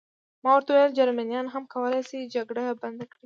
ما ورته وویل: جرمنیان هم کولای شي جګړه بنده کړي.